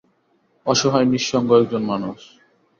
অসহায় নিঃসঙ্গ এক জন মানুষ।